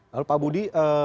lalu pak budi